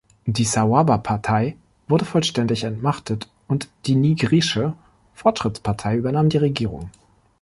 Die Sawaba-Partei wurde vollständig entmachtet und die Nigrische Fortschrittspartei übernahm die Regierung.